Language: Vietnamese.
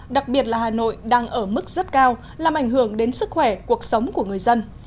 đặc biệt là hà nội đang ở mức rất cao làm ảnh hưởng đến sức khỏe cuộc sống của người dân